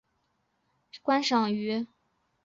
为可爱的观赏鱼。